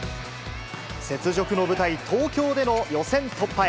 雪辱の舞台、東京での予選突破へ。